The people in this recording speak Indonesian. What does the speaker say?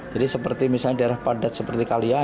jadi seperti misalnya daerah padat seperti kalimantan